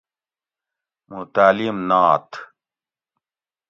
موں تعلیم ناتھ